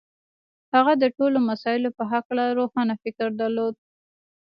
هغه د ټولو مسألو په هکله روښانه فکر درلود.